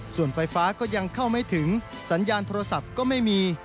ส่วนไฟฟ้าก็ยังเข้าไม่ถึงสัญญาณโทรศัพท์ก็ไม่มี